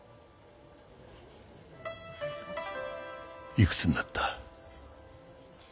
いくつになった？